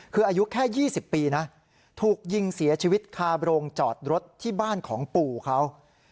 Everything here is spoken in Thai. คืออายุแค่๒๐ปีนะถูกยิงเสียชีวิตคาโรงจอดรถที่บ้านของปู่เขา